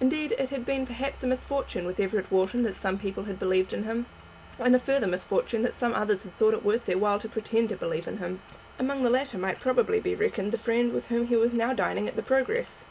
Indeed it had been perhaps a misfortune with Everett Wharton that some people had believed in him, and a further misfortune that some others had thought it worth their while to pretend to believe in him. Among the latter might probably be reckoned the friend with whom he was now dining at the Progress.